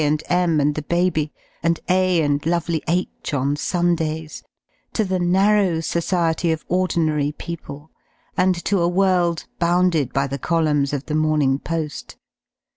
... and O^ M and the baby and A and lovely H on Sundays, to the narrow society of ordinary people and to a v^^orld bounded by the columns of the Mornmg Po§i.